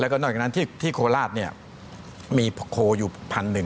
แล้วก็นอกจากนั้นที่โคราชเนี่ยมีโคอยู่พันหนึ่ง